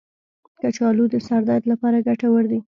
کچالو د سر درد لپاره ګټور دی.